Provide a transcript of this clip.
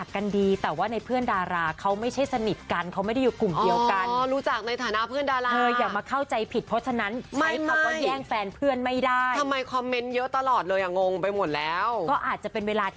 แล้วอย่ามาเข้าใจผิดเพราะฉะนั้น